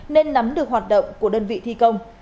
nên nắm được hoạt động của đơn vị thi công